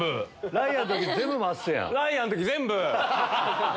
ライアーの時全部！